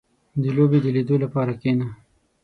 • د لوبې د لیدو لپاره کښېنه.